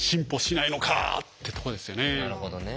なるほどね。